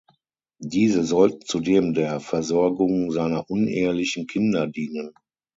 Diese sollten zudem der Versorgung seiner unehelichen Kinder dienen.